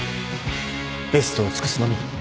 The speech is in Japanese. ベストを尽くすのみ。